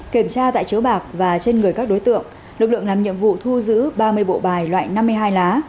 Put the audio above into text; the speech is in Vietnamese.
kiểm tra tại chiếu bạc và trên người các đối tượng lực lượng làm nhiệm vụ thu giữ ba mươi bộ bài loại năm mươi hai lá